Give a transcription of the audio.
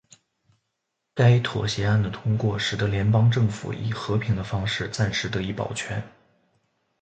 该妥协案的通过使得联邦政府以和平的方式暂时得以保全。